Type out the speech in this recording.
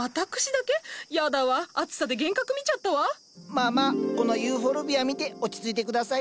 まあまあこのユーフォルビア見て落ち着いて下さい。